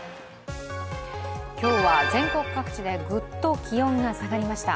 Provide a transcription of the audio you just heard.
今日は全国各地でぐっと気温が下がりました。